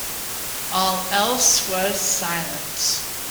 All else was silence.